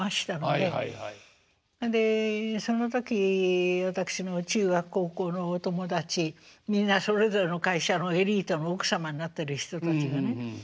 でその時私の中学高校のお友達みんなそれぞれの会社のエリートの奥様になってる人たちがね